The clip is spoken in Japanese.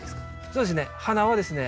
そうですね。